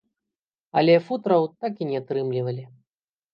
Але футраў так і не атрымлівалі.